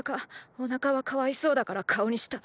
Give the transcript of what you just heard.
“お腹はかわいそうだから顔にした”。